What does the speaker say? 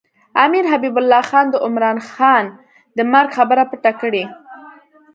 امیر حبیب الله خان د عمرا خان د مرګ خبره پټه کړې.